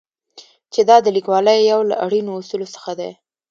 چې دا د لیکوالۍ یو له اړینو اصولو څخه دی.